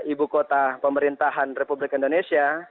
ibu kota pemerintahan republik indonesia